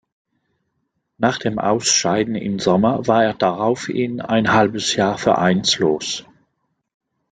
Nach dem Ausscheiden im Sommer war er daraufhin ein halbes Jahr vereinslos.